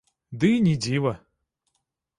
Ды і не дзіва.